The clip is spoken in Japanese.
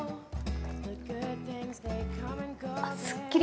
あっすっきり。